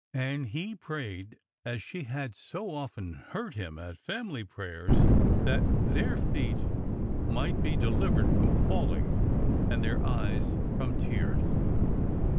And he prayed, as she had so often heard him at family pray ers, that their feet might be delivered from falling and their eyes from tears."